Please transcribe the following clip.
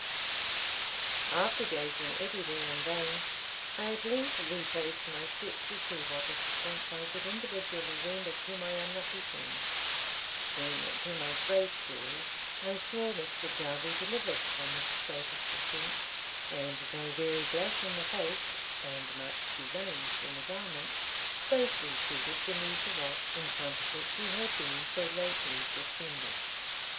After gazing everywhere in vain, I at length retraced my steps to see what assistance I could individually render to my unlucky friend, when, to my great joy, I saw Mr. Jarvie delivered from his state of suspense; and though very black in the face, and much deranged in the garments, safely seated beneath the rock, in front of which he had been so lately suspended.